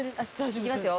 いきますよ。